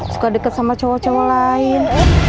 suka dekat sama cowok cowok lain